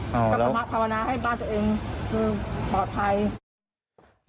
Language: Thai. กระปมะภาวนาให้บ้านตัวเองคือปลอดภัย